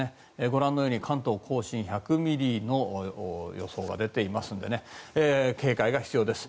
ご覧のように関東・甲信１００ミリの予想が出ていますので警戒が必要です。